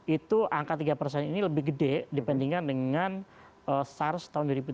itu angka tiga persen ini lebih gede dibandingkan dengan sars tahun dua ribu tujuh belas